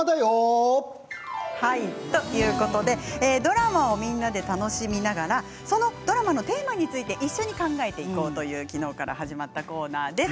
ということでドラマをみんなで楽しみながらそのドラマのテーマについて一緒に考えていこうという昨日から始まったコーナーです。